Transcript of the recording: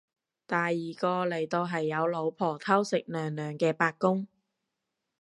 第二個嚟到係有老婆偷食娘娘嘅八公